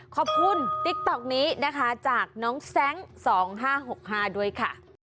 ติ๊กต๊อกนี้นะคะจากน้องแซ้ง๒๕๖๕ด้วยค่ะ